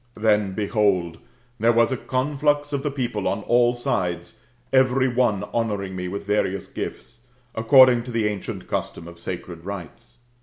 Then, behold, there was a conflux of the people on all sides, every one honouring roe with various gifts, according to the ancient custom of sacred rites.